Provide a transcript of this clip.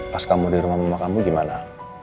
pas kamu di rumah rumah kamu gimana